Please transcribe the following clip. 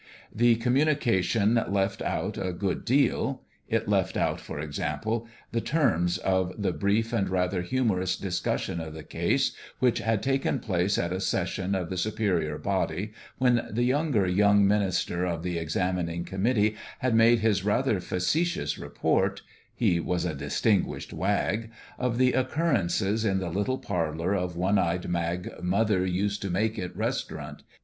The 271 272 BOUND THROUGH communication left out a good deal. It left out, for example, the terms of the brief and rather humorous discussion of the case, which had taken place at a session of the Superior Body when the younger young minister of the exami ning committee had made his rather facetious report (he was a distinguished wag) of the oc currences in the little parlour of One Eyed Mag's Mother Used To Make It Restaurant.